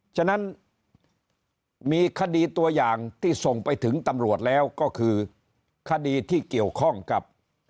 ฉะนั้นมีคดีตัวอย่างที่ส่งไปถึงตำรวจแล้วก็คือคดีที่เกี่ยวข้องกับ